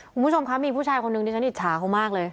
คุณผู้ชมคะมีผู้ชายคนนึงที่ฉันอิจฉาเขามากเลย